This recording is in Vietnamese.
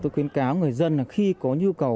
tôi khuyến cáo người dân là khi có nhu cầu